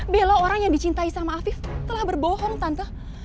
bela orang yang dicintai sama afif telah berbohong tante